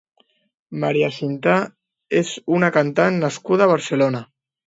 Maria Cinta és una cantant nascuda a Barcelona.